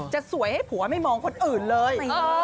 จะสวยให้ผัวไม่มองคนอื่นเลย